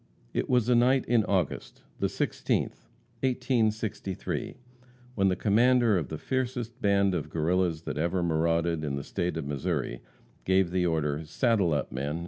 It was a night in August the 16th 1863, when the commander of the fiercest band of Guerrillas that ever marauded in the State of Missouri, gave the order, "Saddle up, men!"